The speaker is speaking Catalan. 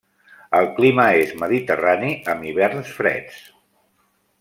El clima és mediterrani amb hiverns freds.